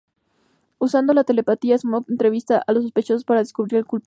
Usando su telepatía, Sookie entrevista a los sospechosos para descubrir al culpable.